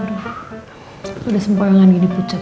udah sempoyongan ini pucet